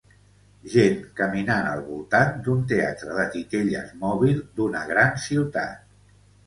Gent caminant al voltant d'un teatre de titelles mòbil d'una gran ciutat.